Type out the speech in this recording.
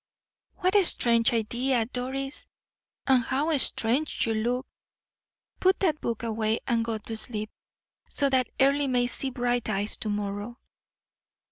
"What a strange idea, Doris! and how strange you look! Put that book away and go to sleep, so that Earle may see bright eyes to morrow."